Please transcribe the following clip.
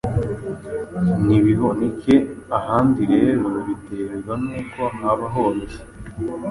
ntibiboneke ahandi rero, biterwa n’uko haba horoshe